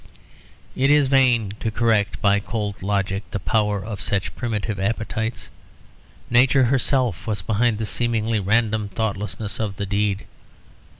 It is vain to correct by cold logic the power of such primitive appetites; nature herself was behind the seemingly random thoughtlessness of the deed.